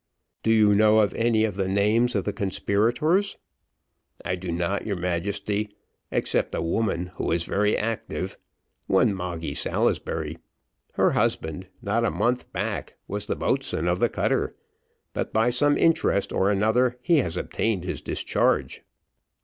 "Do you know of any of the names of the conspirators?" "I do not, your Majesty, except a woman, who is very active, one Moggy Salisbury her husband not a month back, was the boatswain of the cutter, but by some interest or another, he has obtained his discharge."